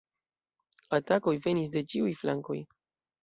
Atakoj venis de ĉiuj flankoj.